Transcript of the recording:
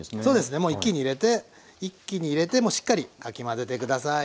もう一気に入れて一気に入れてもしっかりかき混ぜて下さい。